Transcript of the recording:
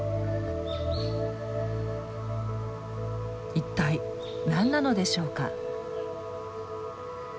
一体何なのでしょうか？